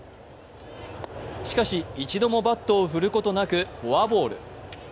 しかし一度もバットを振ることなくフォアボール。